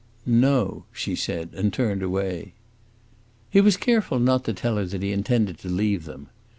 "No!" she said, and turned away. He was careful not to tell her that he intended to leave them.